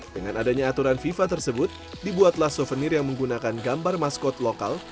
dengan adanya aturan fifa tersebut dibuatlah souvenir yang menggunakan gambar maskot lokal